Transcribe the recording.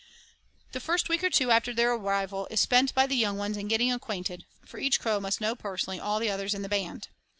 The first week or two after their arrival is spent by the young ones in getting acquainted, for each crow must know personally all the others in the band.